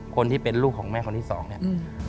คนที่เป็นลูกของแม่คนที่สองเนี่ย